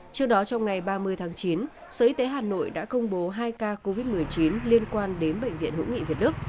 trước đó trong ngày ba mươi tháng chín sở y tế hà nội đã công bố hai ca covid một mươi chín liên quan đến bệnh viện hữu nghị việt đức